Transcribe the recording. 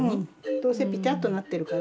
どうせピタッとなってるから。